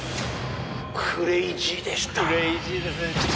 クレイジーですね